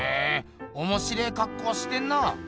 おもしれえかっこしてんな。